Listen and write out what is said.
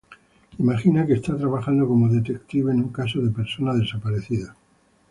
Imagina que estás trabajando como detective en un caso de persona desaparecida.